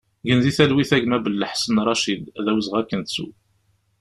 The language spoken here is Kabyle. Gen di talwit a gma Bellaḥsen Racid, d awezɣi ad k-nettu!